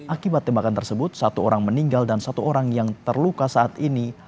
akibat tembakan tersebut satu orang meninggal dan satu orang yang terluka saat ini